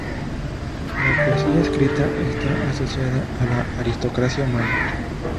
La poesía escrita está asociada a la aristocracia Malla.